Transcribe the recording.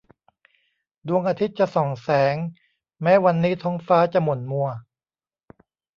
ดวงอาทิตย์จะส่องแสง แม้วันนี้ท้องฟ้าจะหม่นมัว